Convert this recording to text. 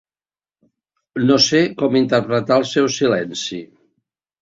No sé com interpretar el seu silenci.